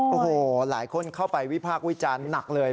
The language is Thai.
โอ้โหหลายคนเข้าไปวิพากษ์วิจารณ์หนักเลย